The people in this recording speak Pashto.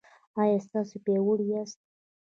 ایا تاسو پیاوړي یاست؟